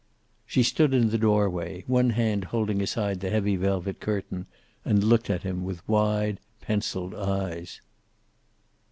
She stood in the doorway, one hand holding aside the heavy velvet curtain, and looked at him with wide, penciled eyes.